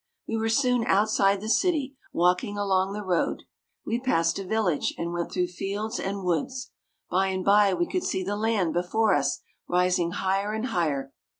We were soon outside the city, walking along the road. We passed a village, and went through fields and woods. By and by we could see the land before us rising higher and higher.